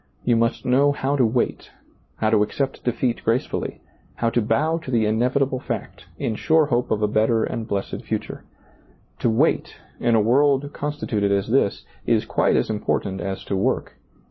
You must know how to wait, how to accept defeat gracefully, how to bow to the mevitable fact, in sure hope of a better and blessed future. To wait, in a world constituted as this, is quite as important as to work.